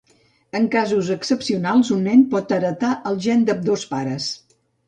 En casos excepcionals, un nen pot heretar el gen d'ambdós pares.